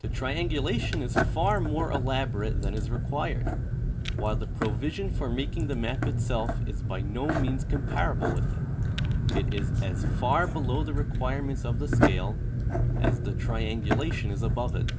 The triangulation is far more elaborate than is required, while the provision for making the map itself is by no means comparable with it : it is as far below the requirements of the scale as the triangulation is a1)0ve it.